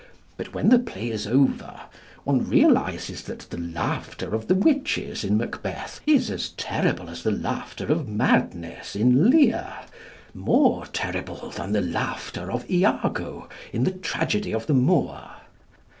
But when the play is over one realises that the laughter of the witches in 'Macbeth' is as terrible as the laughter of madness in 'Lear,' more terrible than the laughter of Iago in the tragedy of the Moor.